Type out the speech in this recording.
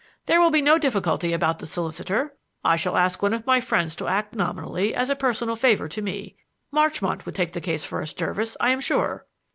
There will be no difficulty about the solicitor; I shall ask one of my friends to act nominally as a personal favor to me Marchmont would take the case for us, Jervis, I am sure."